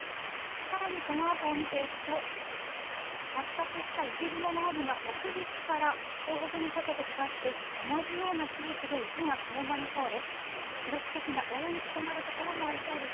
さらに、このあとを見ていくと、発達した雪雲の帯が北陸から東北にかけてかかって、同じような地域で雪が強まりそうです。